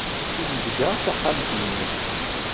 Ssizdeget taxxamt-nni!